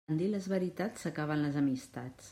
En dir les veritats s'acaben les amistats.